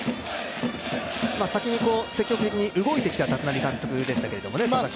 先に積極的に動いてきた立浪監督でしたけれども。